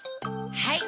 はい。